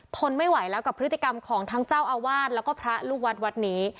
ทนไม่ไหวแล้วกับพฤติกรรมของทั้งเจ้าอาวาสแล้วก็พระลูกวัดวัดนี้